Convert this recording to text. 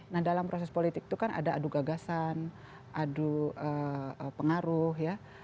nah dalam proses politik itu kan ada adu gagasan adu pengaruh ya